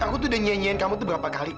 aku tuh udah nyian nyian kamu tuh berapa kali